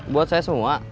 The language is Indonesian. buat saya semua